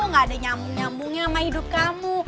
gak ada nyamung nyamungnya sama hidup kamu